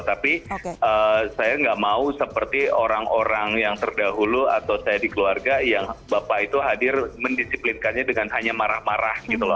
tapi saya nggak mau seperti orang orang yang terdahulu atau saya di keluarga yang bapak itu hadir mendisiplinkannya dengan hanya marah marah gitu loh